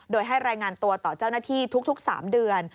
โดยให้รายงานตัวต่อเจ้าหน้าที่ทุก๓เดือน